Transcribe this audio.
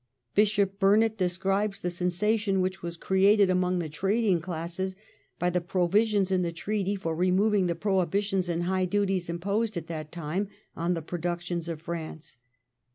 Bishop Burnet describes the sensation which was created among the trading classes by the provisions in the treaty for removing the prohibitions and high duties imposed at that time on the pro ductions of France.